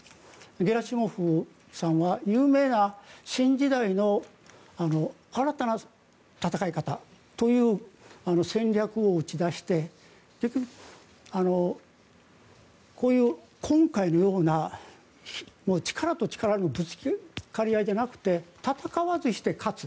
ゲラシモフさんは、有名な新時代の新たな戦い方という戦略を打ち出して結局、こういう今回のような力と力のぶつかり合いではなくて戦わずして勝つ。